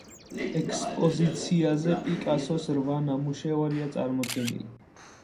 ექსპოზიციაზე პიკასოს რვა ნამუშევარია წარმოდგენილი.